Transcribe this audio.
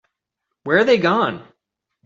Where are they gone?